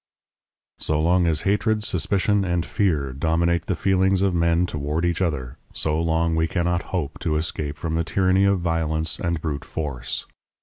So long as hatred, suspicion, and fear dominate the feelings of men toward each other, so long we cannot hope to escape from the tyranny of violence and brute force.